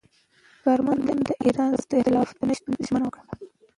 کارمل د ایران سره د اختلاف د نه شتون ژمنه وکړه.